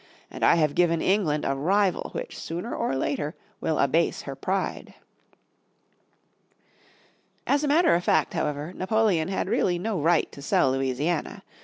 And I have given England a rival which sooner or later will abase her pride." As a matter of fact, however, Napoleon had really no right to sell Louisiana.